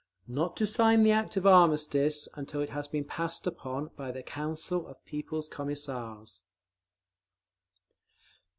Not to sign the act of armistice until it has been passed upon by the Council of People's Commissars.